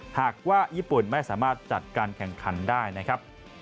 หากว่าญี่ปุ่นไม่สามารถจัดการแข่งขันได้นะครับ